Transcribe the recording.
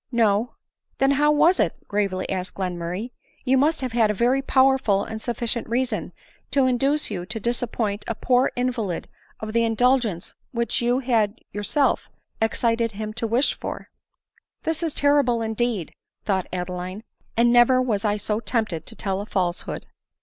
" No." " Then how was it ?" gravely asked Glen murray. " You must have had a very powerful and suf ficient reason, to induce you to disappoint a poor invalid of the indulgence which you had yourself excited him Id wish for." 168 ADELINE MOWBRAY. • "This is terrible, indeed!" thought Adeline, "and never was I so tempted to tell a falsehood."